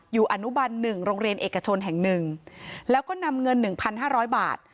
อนุบัน๑โรงเรียนเอกชนแห่งหนึ่งแล้วก็นำเงิน๑๕๐๐บาท